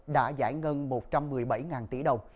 đã giải ngân một trăm một mươi bảy tỷ đồng